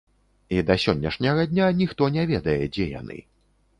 І да сённяшняга дня ніхто не ведае, дзе яны.